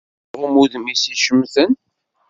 Iɣumm udem-is i icemten